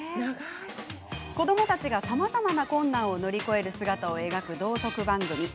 子どもたちがさまざまな困難を乗り越える姿を描く道徳番組。